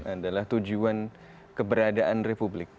adalah tujuan keberadaan republik